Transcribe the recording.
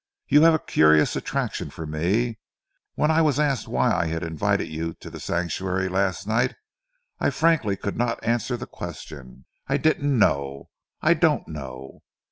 You have a curious attraction for me. When I was asked why I had invited you to The Sanctuary last night, I frankly could not answer the question. I didn't know. I don't know.